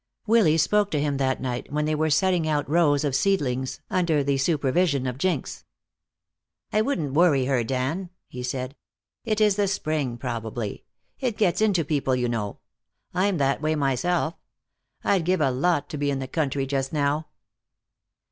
Willy spoke to him that night when they were setting out rows of seedlings, under the supervision of Jinx. "I wouldn't worry her, Dan," he said; "it is the spring, probably. It gets into people, you know. I'm that way myself. I'd give a lot to be in the country just now."